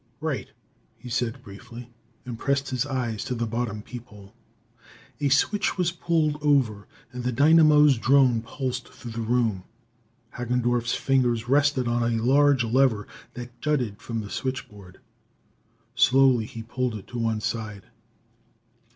"Right," he said briefly, and pressed his eyes to the bottom peep hole. A switch was pulled over, and the dynamo's drone pulsed through the room. Hagendorff's fingers rested on a large lever that jutted from the switchboard. Slowly, he pulled it to one side.